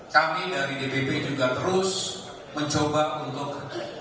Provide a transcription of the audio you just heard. kami dari dpp juga terus mencoba untuk